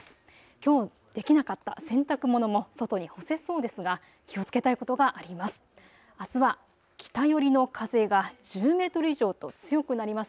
きょうできなかった洗濯物も外に干せそうですが気をつけたいことがあります。